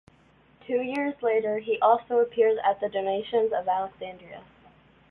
Two years later he also appears at the Donations of Alexandria.